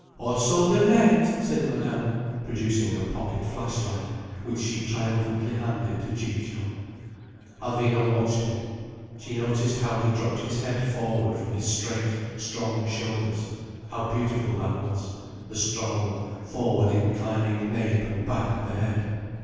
"Also the light!" said Madame, producing a pocket flash light, which she triumphantly handed to Ciccio. Alvina watched him. She noticed how he dropped his head forward from his straight, strong shoulders, how beautiful that was, the strong, forward inclining nape and back of the head.